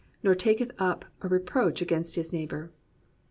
Nor taketh up a reproach against his neighbor.